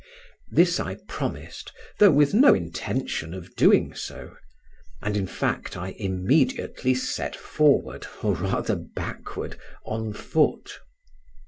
This I promised, though with no intention of doing so; and in fact I immediately set forward, or rather backward, on foot.